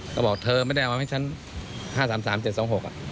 ก็บอกเธอไม่ได้เอามาให้ฉัน๕๓๓๗๒๖